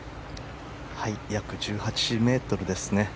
約１８ｍですね。